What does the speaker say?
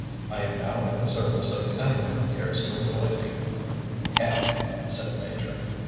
I am now at the service of anyone who cares to employ me. ŌĆØ ŌĆ£Hell! ŌĆØ said the Major.